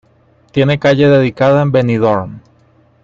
Tiene calle dedicada en Benidorm.